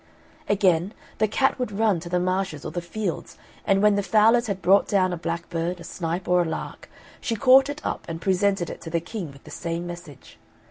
Again, the cat would run to the marshes or the fields, and when the fowlers had brought down a blackbird, a snipe, or a lark, she caught it up and presented it to the King with the same message.